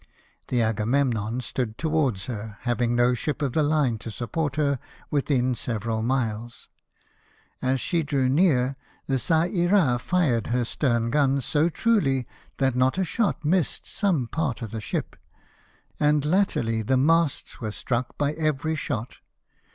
The Aganieninon stood towards her, having no ship of the line to support her withm several miles. As she drew near, the (^a Ira fired her stern guns so truly that not a shot missed some part of the ship, and, latterly, the masts were struck by every shot.